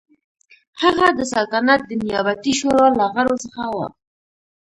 هغه د سلطنت د نیابتي شورا له غړو څخه و.